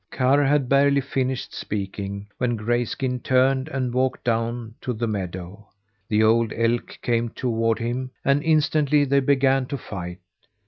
Karr had barely finished speaking when Grayskin turned and walked down to the meadow. The old elk came toward him, and instantly they began to fight.